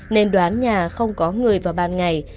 nên đoán nhà không có người vào ban ngày